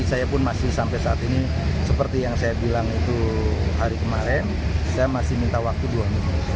saya masih minta waktu dua menit untuk mengambil keputusan